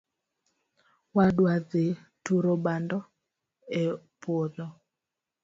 Wadwa dhi turo bando e puodho